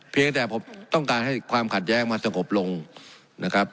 เพียงแต่ผมต้องการให้ความขัดแย้งมาสงบลงนะครับ